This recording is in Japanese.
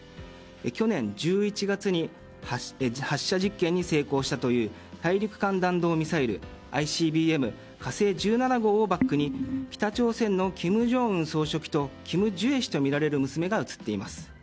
去年１１月に発射実験に成功したという大陸間弾道ミサイル・ＩＣＢＭ「火星１７号」をバックに北朝鮮の金正恩総書記とキム・ジュエ氏とみられる娘が写っています。